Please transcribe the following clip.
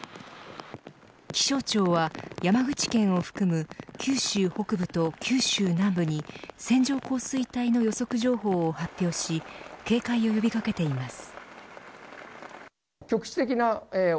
気象庁は山口県を含む九州北部と九州南部に線状降水帯の予測情報を発表し警戒を呼び掛けています。